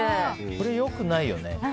これ、良くないよね。